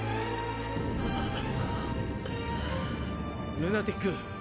ルナティック